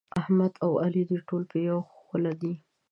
احمد او علي دوی ټول په يوه خوله دي.